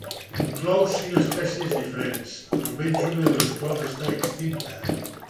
Inclou cinc espècies diferents, almenys una de la qual està extinta.